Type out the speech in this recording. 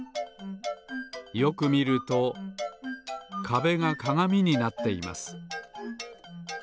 よくみるとかべがかがみになっています。